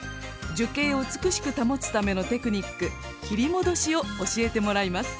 樹形を美しく保つためのテクニック「切り戻し」を教えてもらいます。